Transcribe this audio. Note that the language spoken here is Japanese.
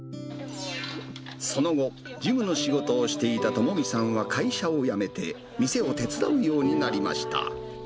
その後、事務の仕事をしていた友美さんは会社を辞めて、店を手伝うようになりました。